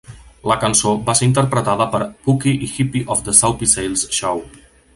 La cançó va ser interpretada per Pookie i Hippy of The Soupy Sales Show.